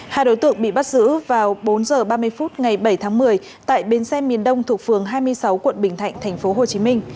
hai đối tượng bị bắt giữ vào bốn h ba mươi phút ngày bảy tháng một mươi tại bến xe miền đông thuộc phường hai mươi sáu quận bình thạnh tp hcm